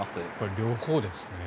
両方ですね。